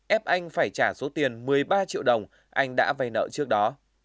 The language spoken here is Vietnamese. ép anh phải trả số tiền một mươi ba triệu đồng anh đã vay nợ trước đó